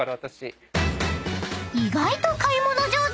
［意外と買い物上手］